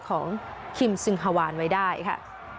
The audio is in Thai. คิมซึงฮาวานไว้ได้ค่ะ